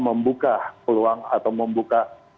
membuka peluang atau membuka